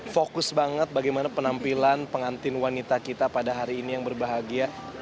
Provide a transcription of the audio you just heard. fokus banget bagaimana penampilan pengantin wanita kita pada hari ini yang berbahagia